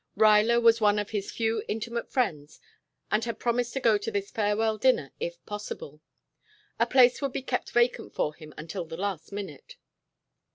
Ruyler was one of his few intimate friends and had promised to go to this farewell dinner if possible. A place would be kept vacant for him until the last minute.